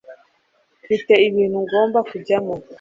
Mfite ikintu ngomba kujyamo